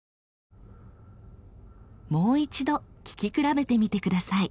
もう一度聴き比べてみてください。